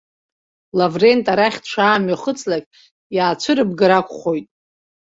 Лаврент арахь дшаамҩахыҵлак иаацәырыбгар акәхоит.